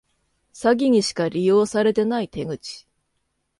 詐欺にしか利用されてない手口